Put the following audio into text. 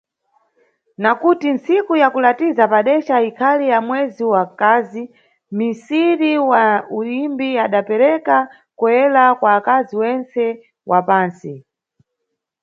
Na kuti ntsiku ya kulatiza padeca ikhali ya mwezi wa nkazi, misiri wa uyimbi adapereka "Com Ela" kwa akazi wentse wa pantsi.